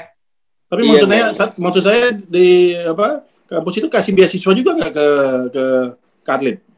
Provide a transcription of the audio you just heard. tapi maksud saya maksud saya di kampus itu kasih beasiswa juga gak ke atlet